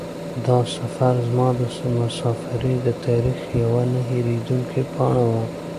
دا سفر زما د مسافرۍ د تاریخ یوه نه هېرېدونکې پاڼه وه.